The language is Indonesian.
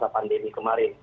ketika masa pandemi kemarin